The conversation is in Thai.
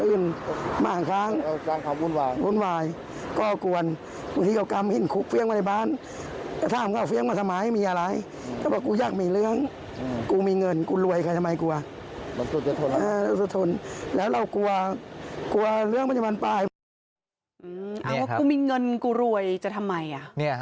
เอาว่ามีเงินแล้วจะรวยจะทำไม